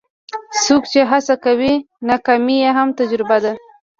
څوک چې هڅه کوي، ناکامي یې هم تجربه ده.